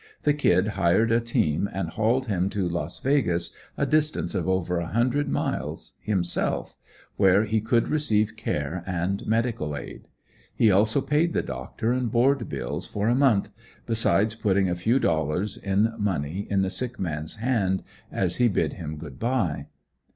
The "Kid" hired a team and hauled him to Las Vegas, a distance of over a hundred miles, himself, where he could receive care and medical aid. He also paid the doctor and board bills for a month, besides putting a few dollars in money in the sick man's hand as he bid him good bye.